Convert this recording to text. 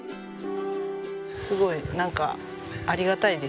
すごいなんかありがたいです。